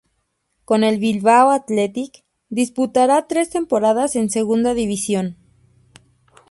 Con el Bilbao Athletic, disputará tres temporadas en Segunda División.